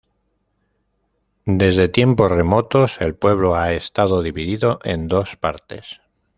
Desde tiempos remotos, el pueblo ha estado dividido en dos partes.